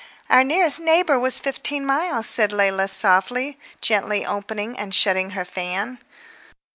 "Our nearest neighbour was fifteen miles," said Leila softly, gently opening and shutting her fan.